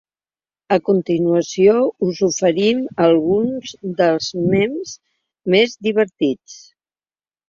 A continuació us oferim alguns dels mems més divertits.